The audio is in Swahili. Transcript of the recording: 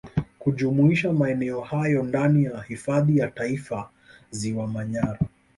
kujumuisha maeneo hayo ndani ya Hifadhi ya Taifa Ziwa Manyara